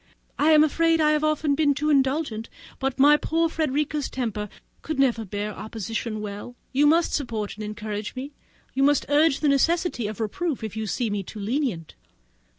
I am afraid I have often been too indulgent, but my poor Frederica's temper could never bear opposition well: you must support and encourage me; you must urge the necessity of reproof if you see me too lenient."